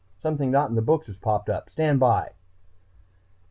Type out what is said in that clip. Something not in the books has popped up ... stand by!"